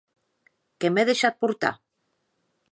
Que m'è deishat portar!